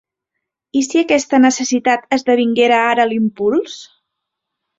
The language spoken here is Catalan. I si aquesta necessitat esdevinguera ara l'impuls?